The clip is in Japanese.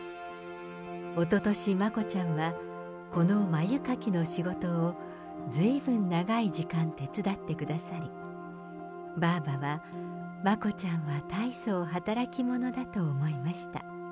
おととし、眞子ちゃんは、この繭かきの仕事をずいぶん長い時間、手伝ってくださり、ばあばは、眞子ちゃんはたいそう働き者だと思いました。